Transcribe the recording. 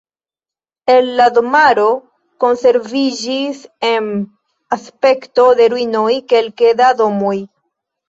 El la domaro konserviĝis en aspekto de ruinoj kelke da domoj.